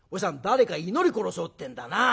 誰か祈り殺そうってんだな。